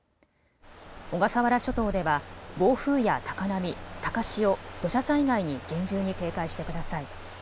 小笠原諸島では暴風や高波、高潮、土砂災害に厳重に警戒してください。